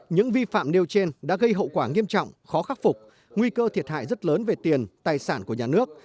những vi phạm nêu trên đã gây hậu quả nghiêm trọng khó khắc phục nguy cơ thiệt hại rất lớn về tiền tài sản của nhà nước